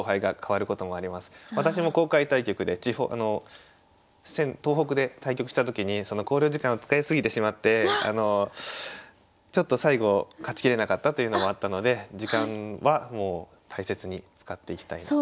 私も公開対局で東北で対局した時にその考慮時間を使い過ぎてしまってちょっと最後勝ちきれなかったというのもあったので時間はもう大切に使っていきたいなと。